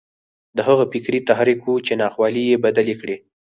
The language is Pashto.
دا هغه فکري تحرک و چې ناخوالې یې بدلې کړې